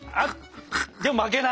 でも負けない。